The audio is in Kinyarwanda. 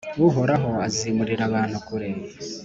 Uhoraho azimurira abantu kure,